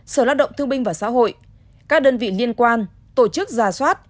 sở lao động thương binh và xã hội các đơn vị liên quan tổ chức ra soát